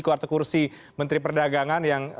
kuartal kursi menteri perdagangan yang